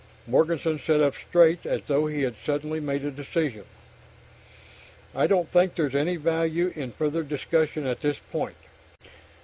Morganson sat up straight, as though he had suddenly made a decision. "I don't think there's any value in further discussion at this point.